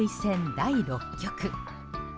第６局。